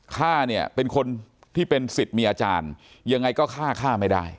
ฆ่าเนี่ยเป็นคนที่เป็นสิทธิ์มีอาจารย์ยังไงก็ฆ่าฆ่าไม่ได้